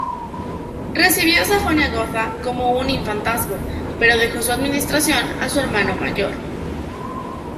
Recibió Sajonia-Gotha como un infantazgo, pero dejó su administración a su hermano mayor.